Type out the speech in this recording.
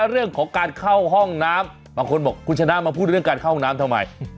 เรื่องของการเข้าห้องน้ำบางคนบอกคุณชนะมาพูดเรื่องการเข้าห้องน้ำทำไม